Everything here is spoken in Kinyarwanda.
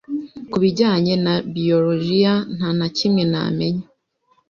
Kubijyanye na biologiya ntanakimwe namenya